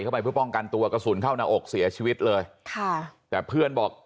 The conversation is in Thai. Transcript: ไปเพื่อป้องกันตัวกระสุนเข้าหน้าอกเสียชีวิตเลยค่ะแต่เพื่อนบอก